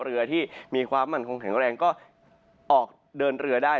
เรือที่มีความมั่นคงแข็งแรงก็ออกเดินเรือได้